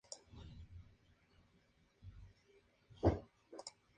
The Leaving Song Pt.